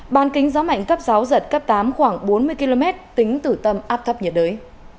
ban kính gió mạnh cấp sáu giật cấp tám khoảng bốn mươi km tính từ tâm áp thấp nhiệt đới